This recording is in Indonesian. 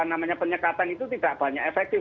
namanya penyekatan itu tidak banyak efektif